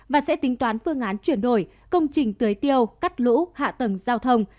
và sẽ tính toán phương án chuyển đổi công trình tưới tiêu cắt lũ hạ tầng giao thông